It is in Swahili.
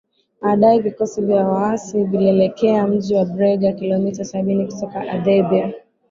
aadaye vikosi vya waasi vilielekea mji wa brega kilomita sabini kutoka adhebia